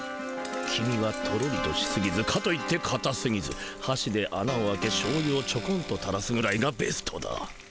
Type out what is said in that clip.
黄身はトロリとしすぎずかといってかたすぎずはしであなを開けしょうゆをちょこんとたらすぐらいがベストだ。